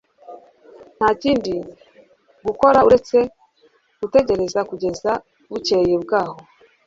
Nta kindi gukora uretse gutegereza kugeza bukeye bwaho